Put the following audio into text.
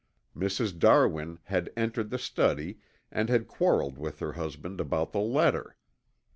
Mrs. Darwin had entered the study and had quarreled with her husband about the letter.